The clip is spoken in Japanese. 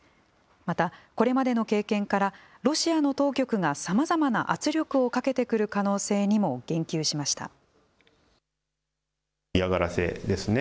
また、これまでの経験からロシアの当局がさまざまな圧力をかけてくる可能性にも言及しました。